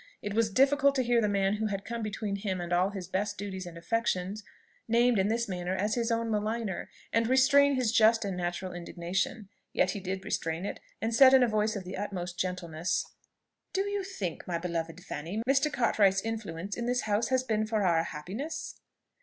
It was difficult to hear the man who had come between him and all his best duties and affections named in this manner as his own maligner, and restrain his just and natural indignation; yet he did restrain it, and said in a voice of the utmost gentleness, "Do you think, my beloved Fanny, Mr. Cartwright's influence in this house has been for our happiness?"